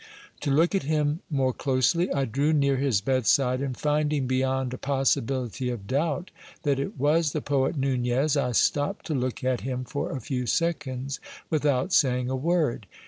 To look at him more closely, I drew near his bedside, and finding be yond a possibility of doubt that it was the poet Nunez, I stopped to look at him for a few seconds without saying a word.